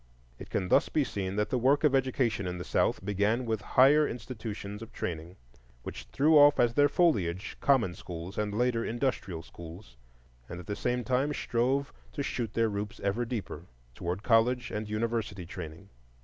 It can thus be seen that the work of education in the South began with higher institutions of training, which threw off as their foliage common schools, and later industrial schools, and at the same time strove to shoot their roots ever deeper toward college and university training.